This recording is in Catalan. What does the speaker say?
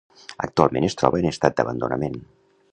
Actualment es troba en estat d'abandonament.